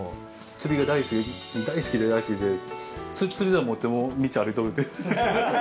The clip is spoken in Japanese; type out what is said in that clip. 釣りが大好きで大好きで釣りざお持ってもう道歩いとる。